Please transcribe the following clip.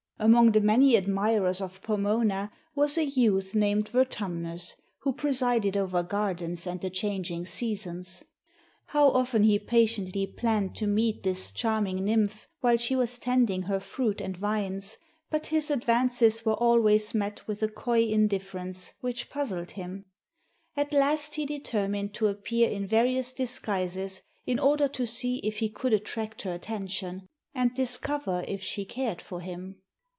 Among the many admirers of Pomona was a youth named Vertumnus, who presided over gardens and the changing seasons. How often he patiently planned to meet this charming nymph while she was tending her fruit and vines, but his advances were always met with a coy indifference which puzzled him. At last he determined to appear in various disguises in order to see if he could attract her attention, and discover if she cared for him.